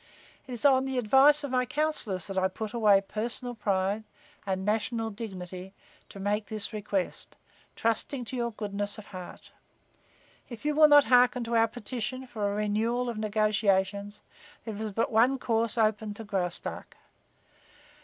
It is on the advice of my counsellors that I put away personal pride and national dignity to make this request, trusting to your goodness of heart. If you will not hearken to our petition for a renewal of negotiations, there is but one course open to Graustark.